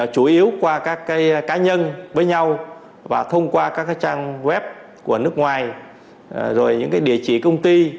chủ yếu qua các cá nhân với nhau và thông qua các trang web của nước ngoài rồi những địa chỉ công ty